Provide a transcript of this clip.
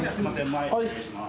前失礼します